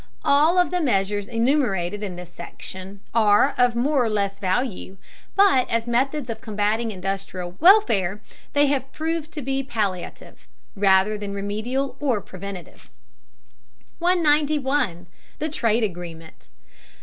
All of the measures enumerated in this section are of more or less value, but as methods of combating industrial warfare, they have proved to be palliative, rather than remedial or preventive. 191. THE TRADE AGREEMENT.